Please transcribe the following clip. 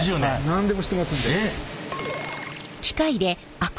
何でも知ってますんで。